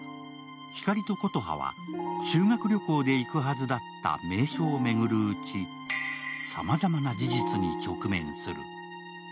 光と琴葉は修学旅行で行くはずだった名所を巡るうち、さまざまな事実に直面する。